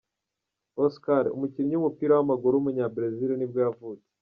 Oscar, umukinnyi w’umupira w’amaguru w’umunya-Brazil nibwo yavutse.